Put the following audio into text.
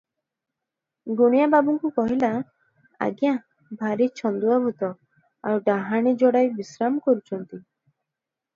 ଗୁଣିଆ ବାବୁଙ୍କୁ କହିଲା, "ଆଜ୍ଞା, ଭାରି ଛନ୍ଦୁଆ ଭୂତ, ଆଉ ଡାହାଣୀ ଯୋଡାଏ ବିଶ୍ରାମ କରିଛନ୍ତି ।